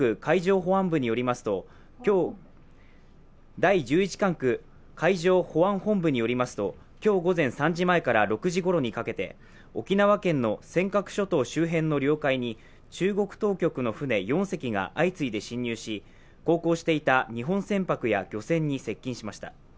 第十一管区海上保安本部によりますと、今日午前３時前から６時ごろにかけて、沖縄県の尖閣諸島周辺の領海に中国当局の船４隻が相次いで侵入し航行していた日本船舶や漁船に接近しました。